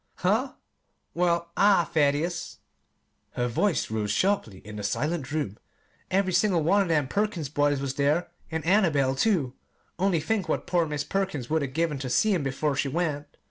"Huh? Well, I Thaddeus," her voice rose sharply in the silent room, "every single one of them Perkins boys was there, and Annabel, too. Only think what poor Mis' Perkins would 'a' given ter seen 'em 'fore she went!